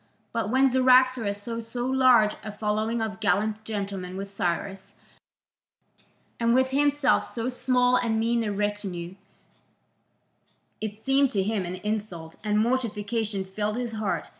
But when Cyaxares saw so large a following of gallant gentlemen with Cyrus, and with himself so small and mean a retinue, it seemed to him an insult, and mortification filled his heart.